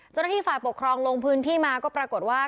เจ้าหน้าที่ฝ่ายปกครองลงพื้นที่มาก็ปรากฏว่า